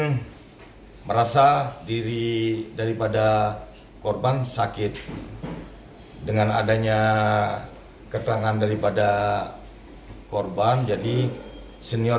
yang merasa diri daripada korban sakit dengan adanya keterangan daripada korban jadi senior